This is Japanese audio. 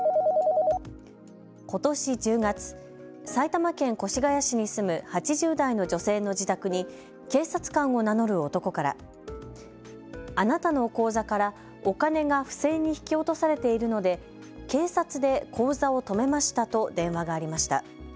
ことし１０月、埼玉県越谷市に住む８０代の女性の自宅に警察官を名乗る男からあなたの口座からお金が不正に引き落とされているので警察で口座を止めましたと電話がありました。